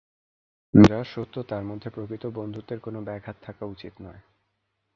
যা সত্য তার মধ্যে প্রকৃত বন্ধুত্বের কোনো ব্যাঘাত থাকা উচিত নয়।